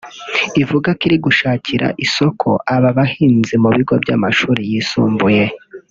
ivuga ko iri gushakira isoko aba bahinzi mu bigo by’amashuri yisumbuye